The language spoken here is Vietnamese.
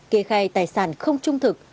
kê khai tài sản không trung thực